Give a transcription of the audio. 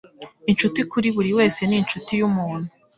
Inshuti kuri buri wese ni inshuti yumuntu.